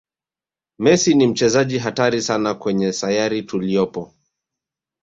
messi ni mchezaji hatari sana kwenye sayari tuliyopo